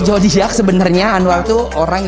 jodiac sebenernya anwar tuh orang